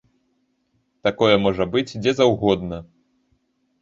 Такое можа быць дзе заўгодна!